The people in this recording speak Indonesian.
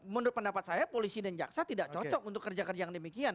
menurut pendapat saya polisi dan jaksa tidak cocok untuk kerja kerja yang demikian